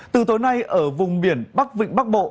từ tối nay ở vùng biển bắc vịnh bắc bộ